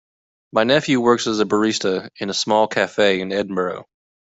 My nephew works as a barista in a small cafe in Edinburgh.